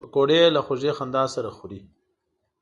پکورې له خوږې خندا سره خوري